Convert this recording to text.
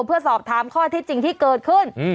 เพื่อสอบถามข้อที่จริงที่เกิดขึ้น